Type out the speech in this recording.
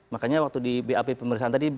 makanya waktu di bap pemeriksaan tadi